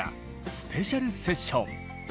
スペシャルセッション！